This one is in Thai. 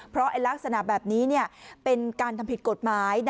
เพราะลักษณะแบบนี้เป็นการทำผิดกฎหมาย